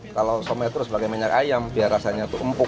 kalau shumai itu harus sebagai minyak ayam biar rasanya itu empuk